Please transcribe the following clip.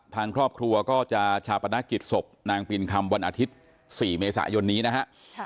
ทางครอบครัวก็จะชาปนกิจศพนางปีนคำวันอาทิตย์๔เมษายนนี้นะฮะ